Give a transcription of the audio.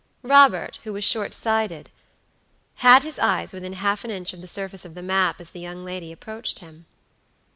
Robert, who was short sighted, had his eyes within half an inch of the surface of the map as the young lady approached him.